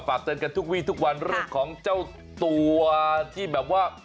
เตือนกันทุกวีทุกวันเรื่องของเจ้าตัวที่แบบว่า